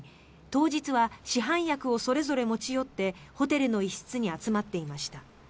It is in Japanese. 当日は市販薬をそれぞれ持ち寄ってホテルの一室に集まっていました。